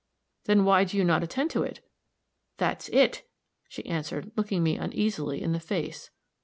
"Then why do you not attend to it?" "That's it," she answered, looking me uneasily in the face.